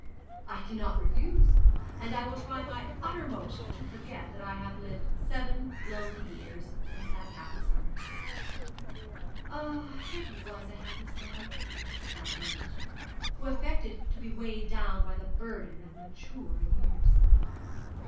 'I cannot refuse; and I will try my uttermost to forget that I have lived seven lonely years since that happy summer.' 'Ah, it was a happy summer!' sighed Blanche, who affected to be weighed down by the burden of mature years.